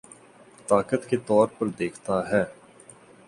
طاقت کے طور پر دیکھتا ہے